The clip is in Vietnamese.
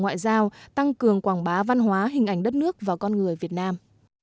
ngoại giao tăng cường quảng bá văn hóa hình ảnh đất nước và con người việt nam